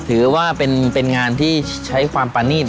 ถือว่าเป็นงานที่ใช้ความประนีต